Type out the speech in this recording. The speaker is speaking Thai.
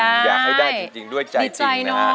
อยากให้ได้จริงด้วยใจ